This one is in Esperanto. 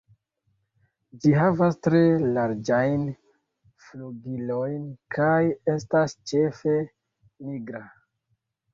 Ĝi havas tre larĝajn flugilojn kaj estas ĉefe nigra.